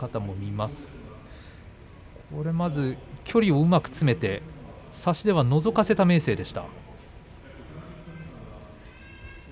まず距離をうまく詰めて差し手をのぞかせた明生でした。